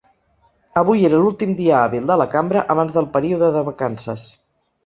Avui era l’últim dia hàbil de la cambra abans del període de vacances.